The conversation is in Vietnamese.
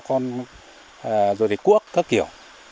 rồi thì cuốc các kiểu